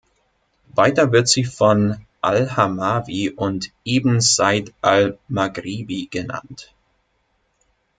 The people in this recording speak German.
Weiter wird sie von al-Hamawi und ibn Said al-Maghribi genannt.